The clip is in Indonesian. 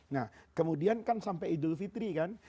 nah kemudian kan sampai idul fitri kan